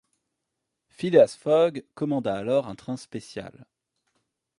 Phileas Fogg commanda alors un train spécial.